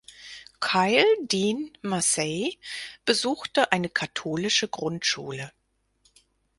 Kyle Dean Massey besuchte eine katholische Grundschule.